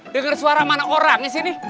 dengar suara mana orangnya sih ini